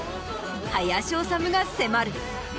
林修が迫る。